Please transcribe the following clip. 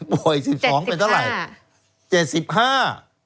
๖๓ปีโดยเจ็บสิบห้า